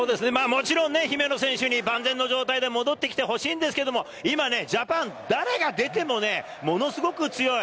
もちろんね、姫野選手に万全の状態で戻ってきてほしいんですけれども、今ね、ジャパン、誰が出てもね、ものすごく強い。